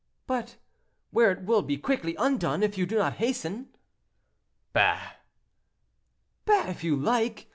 "But where it will be quickly undone, if you do not hasten." "Bah!" "Bah! if you like.